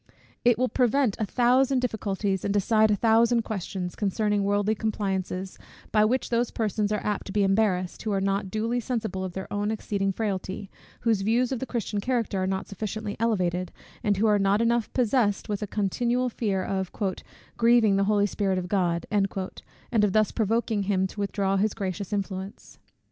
It will prevent a thousand difficulties, and decide a thousand questions, concerning worldly compliances; by which those persons are apt to be embarrassed, who are not duly sensible of their own exceeding frailty, whose views of the Christian character are not sufficiently elevated, and who are not enough possessed with a continual fear of "grieving the Holy Spirit of God," and of thus provoking him to withdraw his gracious influence.